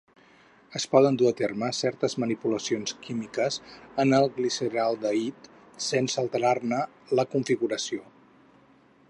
Es poden dur a terme certes manipulacions químiques en el gliceraldehid sense alterar-ne la configuració.